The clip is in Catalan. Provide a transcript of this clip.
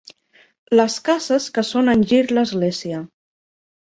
Les cases que són engir l'església.